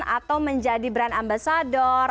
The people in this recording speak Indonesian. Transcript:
atau menjadi brand ambassador